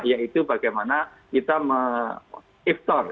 yaitu bagaimana kita iftar